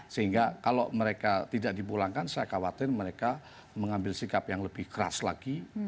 sehingga kalau mereka tidak dipulangkan saya khawatir mereka mengambil sikap yang lebih keras lagi